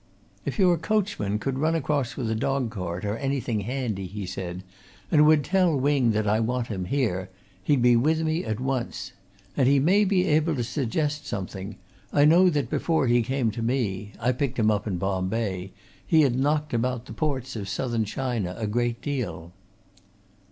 "If your coachman could run across with the dog cart, or anything handy," he said, "and would tell Wing that I want him, here, he'd be with me at once. And he may be able to suggest something I know that before he came to me I picked him up in Bombay he had knocked about the ports of Southern China a great deal."